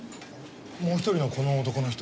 もう一人のこの男の人は？